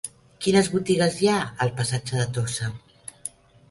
Quines botigues hi ha al passatge de Tossa?